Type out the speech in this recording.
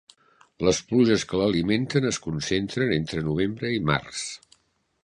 Les pluges que l'alimenten es concentren entre novembre i març.